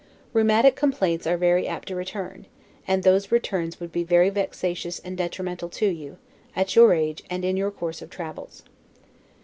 Rheumatic complaints are very apt to return, and those returns would be very vexatious and detrimental to you; at your age, and in your course of travels.